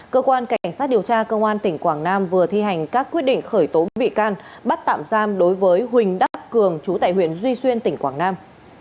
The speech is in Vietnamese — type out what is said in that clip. cơ quan cảnh sát điều tra công an tỉnh quảng nam vừa thi hành các quyết định khởi tố bị can bắt tạm giam đối với huỳnh đắc cường trú tại huyện duy xuyên tỉnh quảng nam